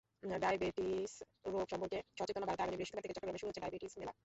Diabetic রোগ সম্পর্কে সচেতনতা বাড়াতে আগামী বৃহস্পতিবার থেকে চট্টগ্রামে শুরু হচ্ছে ডায়াবেটিক মেলা।